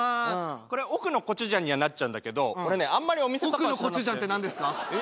これ奥のコチュジャンにはなっちゃうんだけど俺ね奥のコチュジャンって何ですか？